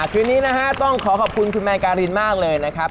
คืนนี้นะฮะต้องขอขอบคุณคุณแมนการินมากเลยนะครับ